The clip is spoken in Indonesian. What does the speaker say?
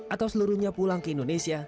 atau seluruhnya pulang ke indonesia